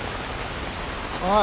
おい。